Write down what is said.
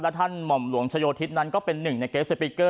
ท่านหม่อมหลวงชโยธิตนั้นก็เป็นหนึ่งในเกสสปิกเกอร์